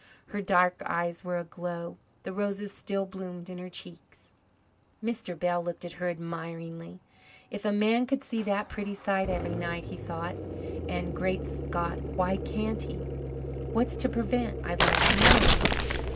Her dark eyes were aglow; the roses still bloomed in her cheeks. Mr. Bell looked at her admiringly. "If a man could see that pretty sight every night!" he thought. "And, Great Scott, why can't he? What's to prevent, I'd like to know?"